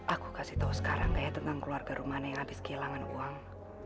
aku kasih tau sekarang kaya tentang keluarga rumana yang habis kehilangan uang